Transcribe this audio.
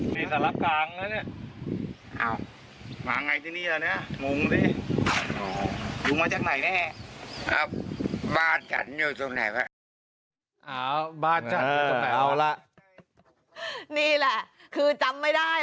นี่แหละคือจำไม่ได้แล้วอ่ะแล้วตอนแรกคือเนี่ยตำรวจเอาลุงขึ้นมาไง